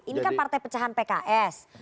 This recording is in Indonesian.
ini kan partai pecahan pks